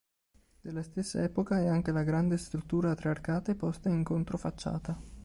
Della stessa epoca è anche la grande struttura a tre arcate posta in controfacciata.